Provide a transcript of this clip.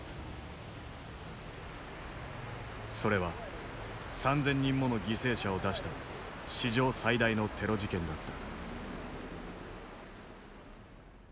それは３，０００人もの犠牲者を出した史上最大のテロ事件だった。